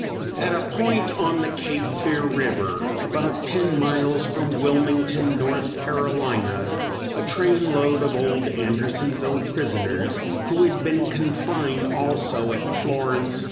At a point on the Cape Fear river, about ten miles from Wilmington, N. C., a trainload of old Andersonville prisoners who had been confined also at Florence, S.